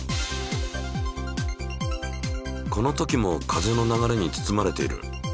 この時も風の流れに包まれている。